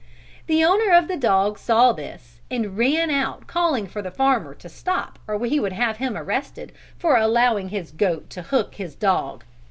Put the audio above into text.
] The owner of the dog saw this and ran out calling for the farmer to stop or he would have him arrested for allowing his goat to hook his dog.